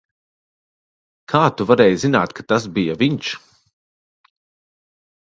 Kā tu varēji zināt, ka tas bija viņš?